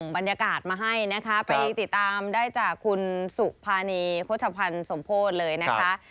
บรรยากาศมาให้นะคะไปติดตามได้จากคุณสุภานีโฆษภัณฑ์สมโพธิเลยนะคะ